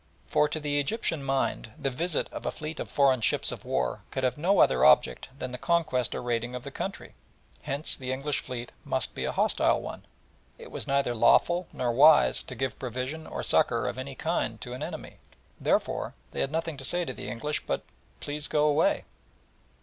For to the Egyptian mind the visit of a fleet of foreign ships of war could have no other object than the conquest or raiding of the country, hence the English Fleet must be a hostile one. It was neither lawful nor wise to give provision or succour of any kind to an enemy, therefore they had nothing to say to the English but "Please go away."